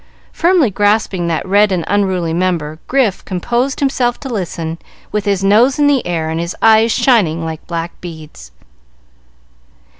Firmly grasping that red and unruly member, Grif composed himself to listen, with his nose in the air and his eyes shining like black beads.